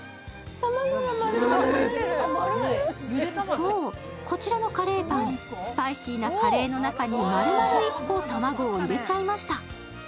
そう、こちらのカレーパン、スパイシーなカレーの中にまるまる１個、卵を入れちゃいました。